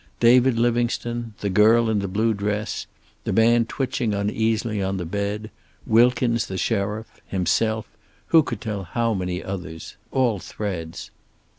David Livingstone, the girl in the blue dress, the man twitching uneasily on the bed, Wilkins the sheriff, himself, who could tell how many others, all threads.